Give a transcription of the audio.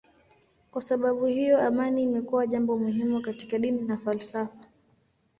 Kwa sababu hiyo amani imekuwa jambo muhimu katika dini na falsafa.